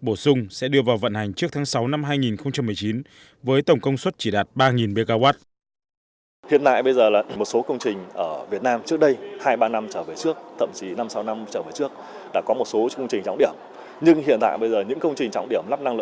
bổ sung sẽ đưa vào vận hành trước tháng sáu năm hai nghìn một mươi chín với tổng công suất chỉ đạt ba mw